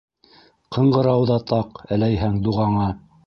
Ҡыңғырау ҙа таҡ, әләйһәң, дуғаңа...